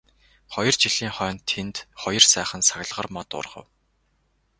Хоёр жилийн хойно тэнд хоёр сайхан саглагар мод ургав.